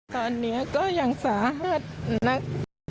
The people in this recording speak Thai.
ตอนนี้ก็ยังสาหัสนัก